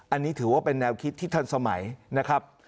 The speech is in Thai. อันนี้ถือว่าเป็นแนวคิดที่ทันสมัยนะครับ